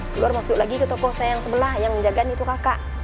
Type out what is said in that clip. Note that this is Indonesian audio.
keluar masuk lagi ke toko saya yang sebelah yang menjaga itu kakak